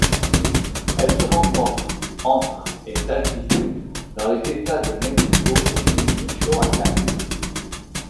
Elle se rencontre entre et d'altitude dans les États de Mexico et du Michoacán.